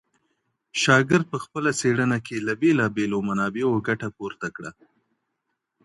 شاګرد په خپله څېړنه کي له بېلابېلو منابعو ګټه پورته کړه.